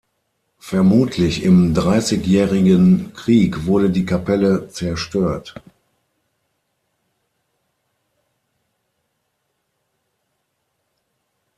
Vermutlich im Dreißigjährigen Krieg wurde die Kapelle zerstört.